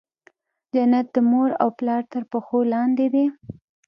جنت د مور او پلار تر پښو لاندي دی.